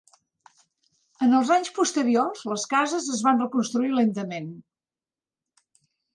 En els anys posteriors, les cases es van reconstruir lentament.